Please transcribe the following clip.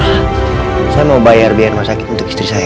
saya mau bayar biaya rumah sakit untuk istri saya